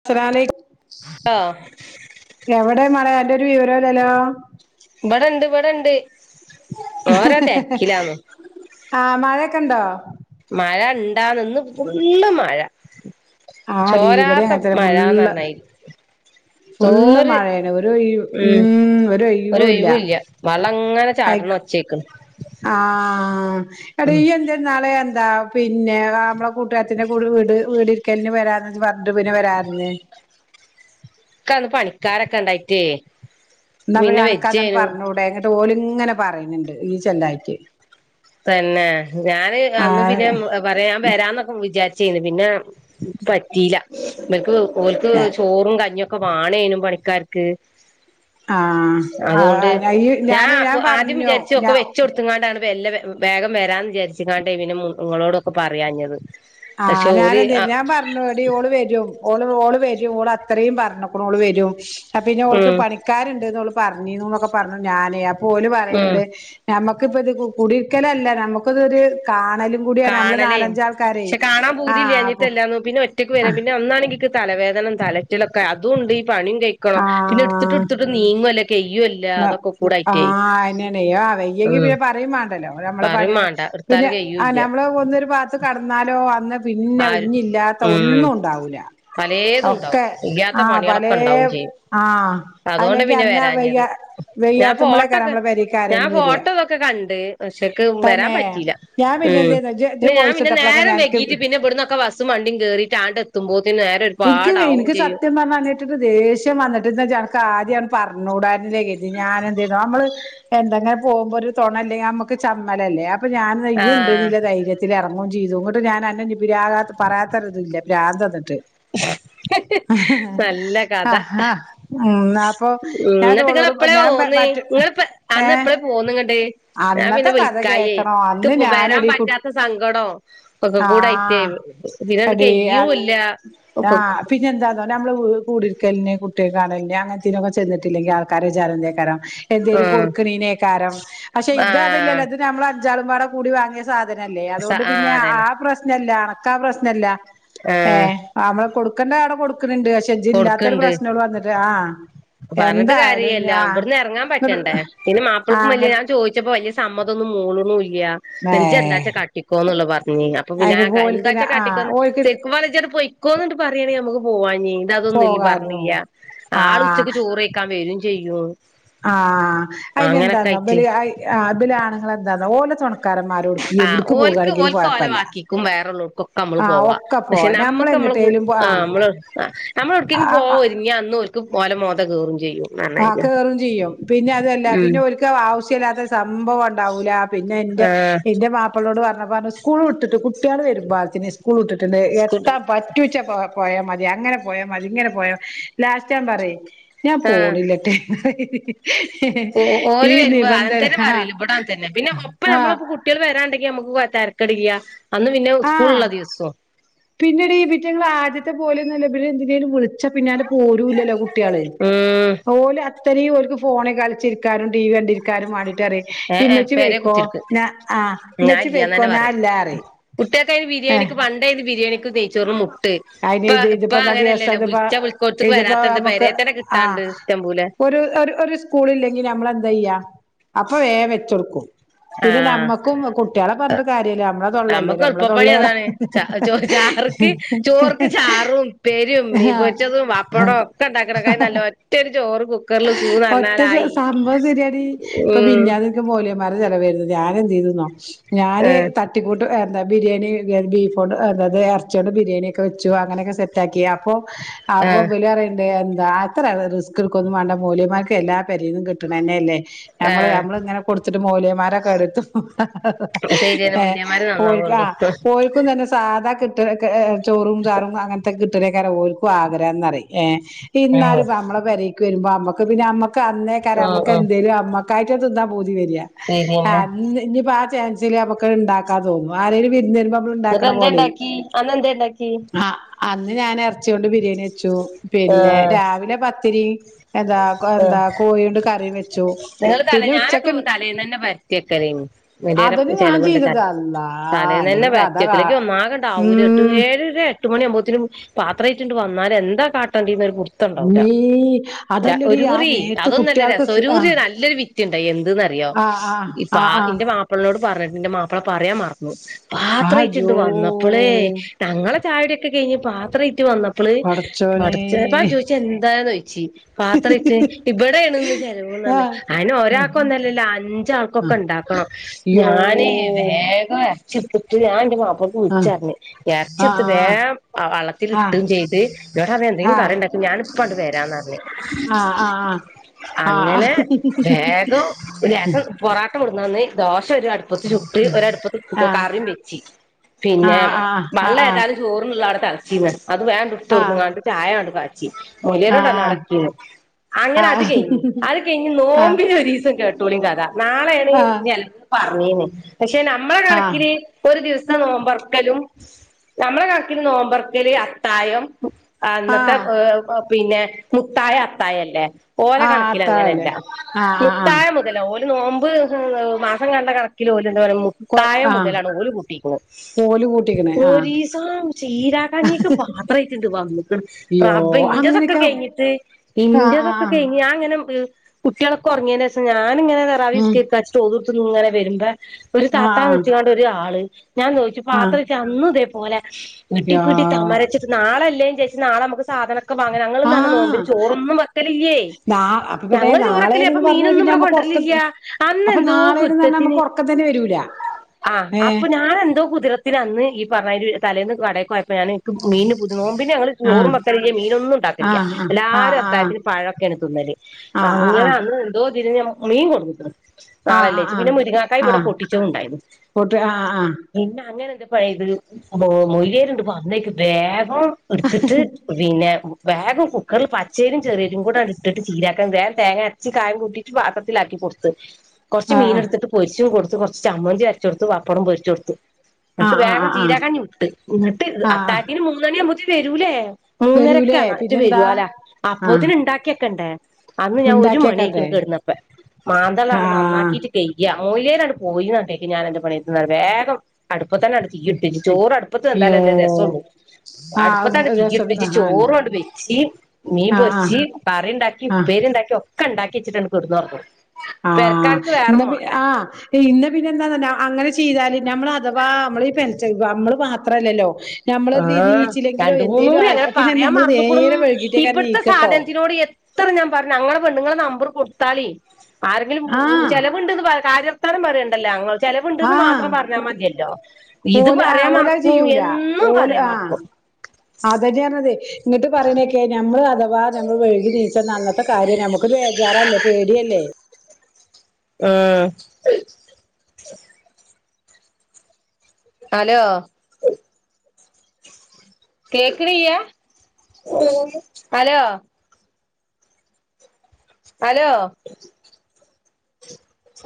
അസ്സലാലൈക്കും ആ എവിടെ മളേ അന്റൊരു വിവരല്ലല്ലോ? ഇവടണ്ട് വടണ്ട്. ആ മയൊക്കെണ്ടോ? മഴ ഇണ്ടാന്ന് ഇന്ന് ഫുള്ള് മഴ. ആടി ഇവിടെ ചോരാത്ത അങ്ങനത്തെ ഫുള്ള് മഴാന്നർഞ്ഞേരി. ഫുള്ള് തോര് മഴയാണ് ഒരു ഒഴിവ് ഉം ഒരു ഒഴിവുല്ല ഒഴിവുംല്ല വള്ളങ്ങനെ. ചാട്ണൊച്ചേക്ണ്. ആഹ്‌ [unintelligible] ന്നാൾ എന്താ. പിന്നെ ള അമ്മളെ കൂട്ടുകാര്ത്തിന്റെ കുട് വീട് വീട്രിക്കലിന് വരാന്ന് ജ് പറഞ്ഞിട്ട് പിന്നെ വരാര്ന്ന്. [inaudible] ക്കന്ന് പണിക്കാരൊക്കെ ഇണ്ടായിട്ടേ. എന്നാപിന്നെ പിന്നെ അണക്കതൻ വെജേനു പറഞ്ഞൂടെ ങ്ങട്ട് ഓല്ങ്ങനെ പറിണ് ണ്ട് ഇയ് ചെല്ലായിട്ട്. തന്നെ ഞാന് അന്ന് ആഹ് പിന്നെ പറയാൻ വരാന്നൊക്കെ വിചാരിച്ച ചെയ്യുന്നു പിന്നെ പറ്റില്ല അവക്ക് ഓലക്ക് ചോറും കഞ്ഞി ക്കെ വാണേനും പണിക്കാർക്ക് ആഹ് അതുകൊണ്ട് ആഹ് ഞാന് ഞാൻ ഞാൻപ്പ ആദ്യം പറഞ്ഞു വിചാരിച്ച ഒക്കെ ഞാ വെച്ച കൊടുത്താണ്ടാണ് വ വേഗം വരാന്ന് വിചാരിച്ച കാണ്ടെ ഇനെ നിങ്ങളോടൊക്കെ പറയാഞ്ഞത്. ആ പക്ഷെ ഞാൻ ഓല് എന് ഞാൻ പറഞ്ഞു എടി ഓള് വരും ഓള് ഓള് വരും. അത്രയും പറഞ്ഞ വരും പിന്നെ അവക്ക് ഉം പണിക്കാരുണ്ട് പറഞ്ഞ പറന്നൊക്കെ പറഞ്ഞു ഞാനേ പോലും ഉം പറയണ്ട് നമ്മക്ക് നമുക്കിപ്പ ഇത് കുടിക്കല അല്ല നമുക്കതൊരു കാണലും കൂടിയാണ് നമ്മള് കാണലേ നാലഞ്ച് ആൾക്കാരേ. പക്ഷെ കാണാൻ പൂതി ഇല്ലാനിട്ടല്ല പിന്നെ ഒറ്റയ്ക്ക് വരും ആഹ് പിന്നെ ഒന്നാണെങ്കിക്ക് തലവേദനം തലച്ചിലൊക്കെ അതുംണ്ട്. പണി കഴിക്കണം പിന്നെ എടുത്തിട്ട് ആഹ് എടുത്തിട്ട് നീങ്ങല കയ്യുല്ല ന്ന അതൊക്കെ കൂട്ടായിട്ടേ ആഹ് അയ്നെണേ ആഹ് വയ്യെങ്കി ഉം പിന്നെ പറയും മാണ്ടല്ലോ നമ്മളെ പറയും പണിയാള് വേണ്ട. അടുത്താല പിന്നെ കയ്യൂ ആഹ് ഇല്ല. നമ്മള് ഒന്നൊരു ഭാത്ത് കടന്നാലോ അന്ന് പിന്നെ ആരും ഇന്നല്ലാത്ത ഉം ഒന്നും ഉണ്ടാവൂല. പലേതും ഉണ്ടാവും ഒക്കെ ഇല്ലാത്ത ആ പല പണികളൊക്കെ ഉണ്ടാവും ചെയ്യും ആ അതുകൊണ്ട് അല്ലെങ്കിൽ പിന്നെ അന്നാ വയ്യ വരാഞ്ഞത് ഞാൻ വെയ്യാത്തുമ്പോളേക്കെ ഫോട്ടോക്കെ നമ്മളെ പരക്ക ആരേലും വരികാ. പക്ഷെക്ക് വരാൻ പറ്റില്ല ഞാൻ പിന്നെ ഉം എന്തെയ്തു ഇജ് ഇജ് പിന്ന ഞാൻ വോയിസ് പിന്നെ ഇട്ടപ്പളൊക്കെ നേരം ഞാൻ ഇൻക്ക് വൈകിട്ട് അവിടൊക്കെ ബസും വണ്ടി കയറിയിട്ടാണ്ട് എത്തുമ്പോ എനിക്ക് എനിക്ക് സത്യം പറഞ്ഞുിട്ടിട്ട് ദേഷ്യം വന്നിട്ടിനക്ക് ആദ്യം പറഞ്ഞ കൂടാ ഞാന എന്ത് ചെയ്യ നമ്മ എന്തങ്ങനെ പോകുമ്പോ ഒരു തൊണല്ലെങ്ക നമ്മക്ക് ചമ്മലല്ലേ അപ്പ ഞാൻ എന്താ ആഹ് ഈയ് ധൈര്യത്തില് ഇറു അങ്ങും ചെയ്തു ഇങ്ങോട്ട് ഞാൻ അന്ന ഇപ്പ ആകാ പറയാത്തരുതൂല പ്രാന്ത് വന്നിട്ട് നല്ല ആ കഥ ആ ഉം അപ്പൊ ഞാൻോളോട് ഞാൻ നിങ്ങളപ്പോ അന്ന് ഏഹ് എപ്പഴാ പോന്നങ്ങട്ടേ? ഞാ അന്നത്തെ പിന്നെ കഥ വിളിക്കായി കേക്കണോ ഇക്ക് അന്ന് ഇപ്പ വരാൻ ഞാനെടി കു പറ്റാത്ത സങ്കടം ഒക്കെ കൂടയിട്ടേ. ആഹ് പിന്നടുക്ക അയ്യും ഇല്ല. ആ പിന്നെ എന്താന്ന നമ്മള് കൂടരിക്കലിനെ കുട്ടികെ കാണല അനൊക്കെ ചെന്നിട്ടില്ലെങ്കിൽ ആൾക്കാരെ വിചാരംന്തക്കരാം എന്തേലും ആഹ് കൊടുക്കണതിനേക്കാരം പക്ഷെ ഇത് ആഹ് അതില്ലല്ലോ ഇത് നമ്മൾ അഞ്ചാളും പാട കൂടി വാങ്ങിയ സാധനല്ലേ സ അതുകൊണ്ട് ആഹ് പിന്നെ അതന്നെ ആ പ്രശ്നല്ല അണക്ക ആ പ്രശ്നല്ല. ആ. ഏഹ് നമ്മള് കൊടുക്കണ്ട അടെ കൊടുക്കുന്നുണ്ട് പക്ഷെ ജില്ലാത്തരു കൊടുക്ക്ണ്ട് പ്രശ്നങ്ങൾ വന്നിട്ട് ആ. പറഞ്ഞിട്ട് കാര്യമില്ല ഇവിടന്ന് ഇറങ്ങാൻ ഇങ്ങട്ട് പറ്റണ്ടേ പിന്നെ മാപ്പിൾക്കും ആഹ് വലിയ ഇങ്ങട്ട് ഞാൻ ചോദിച്ചപ്പോ വലിയ സമ്മതൊന്നും മൂളന്ന ഇജ്ജ് ഏഹ് എന്താച്ചാ കാട്ടിക്കോന്നുള്ള പറഞ്ഞ് അപ്പൊ പിന്നെ അയിന് ഓൽക്ക് എന്താച്ചാ ആഹ് കാട്ടിക്കോ ഓൽക്ക് ശെരിക്കും പറഞ്ഞ പോയി പൊയ്ക്കോ അങ്ങട് പറയയാണെങ്കിൽ നമുക്ക് പോവാഞ്ഞീ ഇത് അതൊന്നും ഇ പോകായിരുന്നു പറഞ്ഞില്ല ആൾ ആഹ് ഉച്ചക്ക് ആഹ് ചോറ് കഴിക്കാൻ വരും ചെയ്യും. ആ അതിന് അങ്ങനൊക്കെ എന്താന്നോ ആയിട്ട് ബലി ബല ആണുങ്ങൾ എന്താന്നോ ഓല ആ ഓല്ക്ക് ഓൽക്ക കൊഴപ്പല്ല ഓലവാക്കിക്കും വേറുള്ളവർക്കൊക്കെ നമ്മള് ആ പോവാ ഒക്കെ പക്ഷെ പോവാ നമ്മുക്ക് ഞമ്മളെങ്ങട്ടേലും പോ ആ നമ്മള് നമ്മൾ എടക്കെും ആ പോവാൻ ആ ഒരുങ്ങിയ അന്ന് ഓലക്ക് ഓല മോന്ത കേറും ചെയ്യും. ആ പറഞ്ഞമാതിരിയാ കേയറും ചെയ്യും പിന്നെ അതല്ല ഉം പിന്നെ ഒരിക്കും ആവശ്യമല്ലാത്ത സംഭവം ഉണ്ടാവൂല പിന്നെ എ എന്റെ മാപ്പിളോട് പറഞ്ഞ പറഞ്ഞ് സ്കൂൾ വിട്ടിട്ട് കുട്ടികൾ വരുമ്പോന് സ്കൂൾ വിട്ടിട്ടുണ്ട് ആ എത്താൻ പറ്റച്ച പോയ അ അങ്ങനെ പോയ മതിങ്ങനെ പോയം ലാസ്റ്റ് ഞാൻ പറ ആഹ് പോണില്ലട്ട. ഓ ഓര് വരുമ്പോ അൻ തന്നെ പറൂല് ഇവിടൻ തന്നെ പിന്നെ ഒപ്പ ആ നമ്മളിപ്പ കുട്ടികൾ വരാണ്ടെങ്കിൽ നമ്മക്ക് തരക്കേടില്ല ആ പിന്നീട് ഈ ഇവറ്റുങ്ങള് അത ത്തെ പോലെന്നല്ല എന്തിനും വിളിച്ച പിന്ന പോരുല്ലല്ലോ കുട്ടികള് ഉം ഓലെ ഇത്തെരീം ഓൽക്ക് ഫോണി കൾച്ചിരിക്കാനും ടി വി കണ്ട് ഇരിക്കാനും വാണ്ടി ട്ട് പറിം ഏ ഏ ഇമ്മെച്ചി പെരെ പൊയ്ക്കോ കുത്തിരിക്കും ഞാ ആഹ് ഇമ്മെച്ചി പൊയ്ക്കോ നാ ഇല്ലാ പറിം ട്ടിയാക്ക് അയിന് ബിരിയെണിക്ക് പണ്ടെയിനി ബിരിയെണിക്കും നെയ്ച്ചോറിനും മു ട്ട് അയിന് ഇപ്പ ഇത് ഇപ്പ ഇതിപ്പന്നാ അങ്ങനെ ദിവസം അല്ലല്ലോ ഇതിപ്പോ വുൾച്ചാ വുൾക്കോട്ത്ത്ക്ക് ഇതിപ്പോ വെരാത്തെ എന്താ പേരെ തന്നെ കിട്ടാണ്ട് ഇഷ്ടം പോലെ ഇപ്പ ഒരു ഒരു സ്ക്കൂൾ ഇല്ലെങ്കി ഞമ്മെൾ എന്താ ചെയ്യാ അപ്പ വേം വെച്ച് കൊട്ക്കും പിന്നെ ആഹ് നമ്മക്കും കുട്ടിയാളെ പർൺട്ട് കാര്യ ഇല്ല നമ്മളെ തൊള്ള അല്ലെ നമ്മളെ തൊള്ളാണ് ചാർക്ക് ചോർ ക്ക് ചാറും ഉപ്പെരും മീപൊര്ച്ചെതും വപ്പടും ഒക്കെ ഇണ്ടാക്ക്ണെക്കായിം നല്ലെയ് ഒറ്റ ഒര് ചോറും ഒറ്റ ചോ സംഭവം ശരിയാടി ഇപ്പം ഉം മിഞ്ഞാന്ന് ഇൻക്ക് മോലിയെമാരെ ചെലവെര്ന്നു ഞാൻ എന്ത് ചെയ്തുന്നോ ഞാൻ ആഹ് തട്ടിക്കൂട്ട് എന്താ ബിരിയെ ണി ബീഫോണ്ട് അതാത് എർച്ചൊണ്ട് ബിരിയെണി ഒക്കെ വെച്ചു അങ്ങനെയൊക്കെ സെറ്റ് ആക്കി അപ്പോ അപ്പൊ ആഹ് ഇബല് പറിണ്ട് എന്താ അത്ര ഏറെ റിസ്ക് ഇട്ക്കൊന്നും വാണ്ട മൊയ്ല്യേമാര്ക്ക് എല്ലാ പെരേന്നും കിട്ടണന്നെല്ലേ നമ്മള് ആഹ് നമ്മള്ങ്ങനെ കൊട്ത്ത്ട്ട് മോയ്‌ല്യാമാരെ കേടെര്ത്തു ശരിയെന്നെ ഏഹ് മുരിയന്മാര് ഓൽക്ക് ആ നന്നാവുള്ളു ഓൽക്കും തന്നെ സാദാ കിട്ട് കെ ഏ ഏ ചോറും ചാറും അങ്ങനത്തെ കിട്ടലേക്കാരം ഓൽക്കും ആഗ്രഹംന്നറിം ഏ ഉം ഇന്നാലും ഇപ്പ നമ്മളെ പെരേ ക്ക് വരുമ്പൊ അമ്മക്ക് പിന്നെമ്മക്ക് അന്നേക്കാരം ഉം അമ്മക്ക് ഉം എന്തേലും അമ്മക്കായിട്ട് തിന്നാൻ പൂ തി വെരാ ആ ശരിയെന്നെ ഇഞ് ഇഞ്പ്പോ ആ ചാൻസില് നമ്മക്ക് ഇണ്ടാക്കാം തോന്നു ആരേലും വിര്ന്ന് വെരു എന്നിട്ട് പമ്മള്ണ്ടാക്ക്ണ എന്താ പോലെയ് ഇണ്ടാക്കി അന്ന് എന്താ ഇണ്ടാക്കി അഹ അന്ന് ഞാൻ എറച്ചിയോണ്ട് ബിരിയേണി വെച്ചു പിന്നെ ആഹ് രാവിലെ പത്തിരി എന്താ ആഹ് എന്താ കോയോണ്ട് കറിം വെ നിങ്ങള് തല ഞാനൊക്കെ തലേന്നന്നെ പരത്തി വെക്കലേന്ന് മൊയ്ല്യേരെ അതിന് ഞാൻ ചെലവ്ണ്ട് ത ചെയ്തത് അള്ളാ തലേന്നന്നെ അല്ലെങ്കി കഥ കാ പരത്ത്യേക്കല ഇക്കി ഒന്നാകെണ്ട് ആവൂല എട്ട് ഉം ഏഴരെ ട്ട് മണി ആവുമ്പോത്തിനും പാത്രേറ്റ്ണ്ട് വന്നാല് എന്താ കാട്ടണ്ടീന്നൊരു പുട്ത്തണ്ടാവൂല മീ അതല്ലടി ആ ഒരുറി നേരത്ത് അതൊന്നും അല്ല കുട്ടികൾക്ക് രസം ആ ഒരൂറി [unintelligible] നല്ലൊര് വിറ്റ്ണ്ടായി എന്ത്ന്നറിയോ ആ ആ ഈ ആ പാ ആ ഇൻ്റെ മാപ്പൾനോട് പറഞ്ഞിട്ട് ഇന്റെ മാപ്പള പറയാൻ മറന്നു പാത്രേറ്റ്ണ്ട് ആജോ വന്നപ്പളേ ഞങ്ങളെ ചായുടിയൊക്കെ കയ്ഞ്ഞ് പാത്ര റ്റ് വന്നപ്പള് പടച്ചോനെ പടച്ചേ അപ്പ ഞാൻ ചോയ്ച്ച് എന്താന്ന് ചോയ്ച്ചി പാത്രേറ്റ് ഇബടേണ്ന്ന് ചെലവ് ആ ന്നർഞ്ഞ് അയന്നെ ആ ഒരാൾക്കൊന്നല്ലല്ല ആ അഞ്ചാൾക്കൊക്കെ ഇണ്ടാക്കണം യോ ഞാനേ വേഗം എർച്ചിട്ത്ത് ഞാൻ ൻ്റെ മാ പ്പൾക്ക് ആ വിളിച്ചറിഞ് ആ എറച്ചിട്ത്ത് വേം അ ആ ആ വള്ളത്തിലിട്ടും ചെയ്ത് ഇന്നോടറ്യാ എന്തേം ആ കറിണ്ടാക്കി ഞാന്പ്പണ്ട് വരാന്ന് പറഞ്ഞ് ആ ആ ആ ആ ആ അങ്ങനെ വേഗം ലേസം പൊറോട്ട കൊടുന്നന്ന് ദോശ് ശ ഒരു അടുപ്പത്ത് ചുട്ട് ഒരടുപ്പത്ത് ആ കറിം വെച്ച് പിന്നെ ആ ആ ആ ആ ആ വള്ള ഏതായാലും ചോറിന്ള്ള ത് അവടെ തളച്ചീന്ന് അത് വേണ്ട് ഇട്ത്തോട്ന്ന്ങ്ങാണ്ട് ചായാണ്ട് കാ ആ ആ [unintelligible] അങ്ങനെ അത് കഴിഞ്ഞു അത് കയ് ഞ നോമ്പിനൊരീസം കേട്ടോളിൻ കഥ നാളെയാണ് [unintelligible] പറഞ്ഞീന്ന് പക്ഷെ നമ്മള ആ കണക്കിന് ഒരു ദിവസ് തെ നോമ്പർക്കലും നമ്മളെ കണക്കിന് നോമ്പർക്കല് അത്തായം ആ അന്നത്തെ ഏഹ് പ് പിന്നെ മുത്തായ അത്തായല്ലേ ഓല കണക്കിലങ്ങനെല് അത്താഴല്ലേ ലാം ആ ആ ആ മുത്താഴ മുതല ഓല് നോമ്പ് മാസം കണ്ട കണക്കിന് ഓൽ ജ്ജ്ന്തേ പറയും കൊ മുത്തായ ആ മുതലാണ് ഓല് കുട്ടികുണു കോല് കൂട്ടിക്കണേ ആ ഒരീസം ചീരാ ക ഞീക്ക് പത്രയ്റ്റ്ണ്ട് വന്ന്ക്ക്‌ണ് യോ റബ്ബേ ഇന്റൊതെക്ക് അങ്ങനെയൊക്കെ കഴിഞ്ഞിട്ട് ആ ആ ഇന്റോതെക്ക ആ കയിഞ്ഞി ഞാ ഇങ്ങനെ ഹ് കുട്ടിളൊക്കെ ഒർങ്ങയ്നേഷം ഞാനിങ്ങനെ ഉം തറാവിസ്കേര്ക്കാച്ചിട്ട്തിർത്ത് ഒള്ളു ട്ത്ങ്ങനെ വരുമ്പോ ഒരു ആ താത്ത വിളിച്ചിങ്ങാണ്ട് ഒരു ആള് ഞാൻ ചോയിച്ചു ആ ആ പാത്രജ് അന്നു ഇതേ പോലെ യാ നെട്ടിപ്ടി തമരച്ചിട്ട് നാളെല്ലേ ജാര്ച്ട്ട് നാളെ മക്ക് സാധന ക്കെ വാങ്ങന് ഞങ്ങള് ന്നർഞ്ഞ നോമ്പിന് ആഹ് ചോറൊന്നും വക്കലില്ലേ നാ അപ്പൊ പിന്നെ ഞങ്ങൾ ചോറക്കല് അപ്പൊ നാളേന്ന്ന് പറഞ്ഞാൽ മീനൊന്നും പിന്നെ വടെ നമ്മക്ക് ഒറക്ക കൊണ്ടര്ലില്ല അന്ന് അപ്പൊ എന്തോ നാളേന്ന്ന്ന് പറഞ്ഞാ കുര്റ്റത്തിന് നമ്മക്ക് ഒറക്കം തന്നെ വരൂല ആഹ് അപ്പൊ ഏഹ് ഞാൻ എന്തോ കുതിറത്തിന് അന്ന് ഈ പറഞ്ഞയ്ന്റെ തലേന്ന് കടേകോയ മീന് പുതിതു നോമ്പിന് പിന്ന ഞങ്ങള് ആഹ് ചോറുമ വക്ക മീനൊന്നും ഉണ്ടാക്കില്ലല്ല ആഹ് ആഹ് എല്ലാരും ആഹ് അത്തായത്തിൽ പഴൊക്കെ ല് ആഹ് ആഹ് അങ്ങനെന്ന് എന്തോ തിരി മീൻ കൊടുക്കട്ട ആഹ് ആഹ് ആഹ് നാളെല്ലച്ചു ആഹ് പിന്നെ മുരിങ്ങാക്ക ഇവിടെ ആഹ് പൊട്ടിച്ചത് ഉണ്ടായിരുന്നു പോട്ട് ആഹ് ആഹ് പിന്നെ അങ്ങനെ എന്ത പഴയത് മൊര്ണ്ട് അന്നക്ക് വേഗം എടുത്തിട്ട് വിനെ വേഗം കുക്കറിൽ പച്ചരിയും ചെറിയരും കൂടെ ആ ഇട്ടിട്ട് ചീരാക്കാൻ തരാൻ തേങ്ങ അച്ച കായം കൂട്ടിട്ട് പാത്രത്തിലാക്കി കൊടുത്ത് കൊറച്ച് ആഹ് മീന എടുത്തിട്ട് പൊരിച്ചും കൊടു കുറച്ച് ചമ്മന്തി അരച്ച കൊടുത്തു പപ്പടം പൊരിച്ച കൊടുത്തു എന്നിട്ട് ആഹ് ആഹ് വേഗം ആഹ് ആഹ് ചീരാക്കഞ്ഞി വിട്ട് എന്നിട്ട് ആഹ് അത്താഴത്തിന് മൂന്നണിയ ആകുമ്പോത്തേ വരൂലേ വരൂലേ മൂന്നരൊക്കെയാണ് മറ്റ പിന്നെന്താ വരുവല്ലാ അപ്പൊ ആഹ് ഇതിന് ഉണ്ടാക്കിയൊക്കണ്ടേ അന്ന് ഞാൻ ഒരു മണിയക്ക ഉണ്ടാക്കിയേക്കണ്ടേ കടുന്നപ്പ മാന്തളാണ് ആഹ് നന്നാക്കിട്ട് കഴി കിയ മലേന അട് പോയിന്നണ്ടേക്ക് ഞൻ എ പണി എത്തുന്നത് വേഗം അടു ഇപ്പൊ തന്നെ തീ ഇറ്റവെച് അടുട്ട ചോറ് അടുപ്പത്ത് യ്യോ എന്താലല്ലേ രസൊു അടുപ്പത്തെടെ ആഹ് രസം തീപ്പി ആഹ് ചോറും കൊണ്ട് വെച്ചി മീൻ ആഹ് പൊരച്ച് കറി ഉണ്ടാക്കി ആഹ് ഉപ്പേരിണ്ടാക്കി ഒക്കെ ഉണ്ടാക്കിച്ചിട്ടാണ് കെടന്ന് ഉറങ്ങുകയുള്ളൂ ആഹ ഇന്ന ആ ഇന്ന പിന്നെ എന്താ അങ്ങനെ ചെയ്തല് നമ്മൾ അഥവാ നമ്മള് ഈ പെ നമ്മള് മാത്രല്ലല്ലോ നമ്മളെന്ത് ആഹ നീച്ചില്ലെങ്കിലോ രണ്ട എന്തേലും മൂന്നൂറ് ആയി അങ്ങനെ പിന്നെ പറയാൻ നമ്മള് മറന്ന നേരെ കൊടുന്നു വൈകിട്ടേക്കാരം ഇവിടുത്തെ നീക്കട്ടോ സാധനത്തിനോട് എ ഇത്ര ഞാൻ പറഞ്ഞു അങ്ങെ നിങ്ങ നമ്പർ കൊടുത്താല ആരെങ്കിലും ആഹ് ചെിലവുണ്ടന്ന് കാര്വർത്താനം പറയേണ്ടല്ലേ അ ചെലവുണ്ടെന്ന് ആഹ് മാത്രം പറഞ്ഞാൽ മതിയല്ലോ ഇത് പറയാൻ മറക്കും എന്നും പറയാൻ ആഹ മറക്കും അതന്നെയത് ഇങ്ങിട്ട് പറയണേക്കെയ ഞമ്മൾ അഥവാ നമ്മൾ വഴുകി നീച്ച അന്നത്തെ കാര്യം നമുക്കൊരു വേജാറല്ലേ പേടിയല്ലേ ഉം ഹലോ കേൾക്കാനില്ല ഹെലോ ഹലോ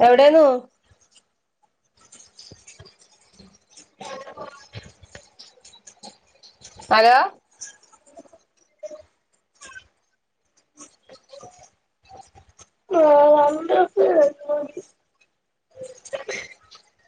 എവിടെന്നു [inaudible] ഹലോ [inaudible] ആഹ നമ്മുടെക്ക